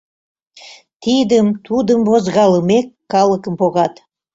Тидым-тудым возгалымек, калыкым погат.